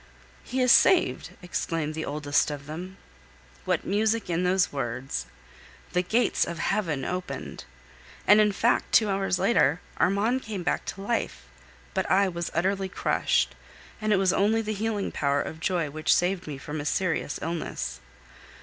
"He is saved!" exclaimed the oldest of them. What music in those words! The gates of heaven opened! And, in fact, two hours later Armand came back to life; but I was utterly crushed, and it was only the healing power of joy which saved me from a serious illness.